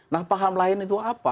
nah paham lain itu apa